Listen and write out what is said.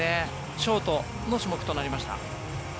ショートの種目となりました。